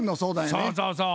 そうそうそう。